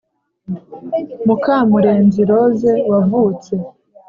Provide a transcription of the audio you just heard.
Mukamurenzi Rose wavutse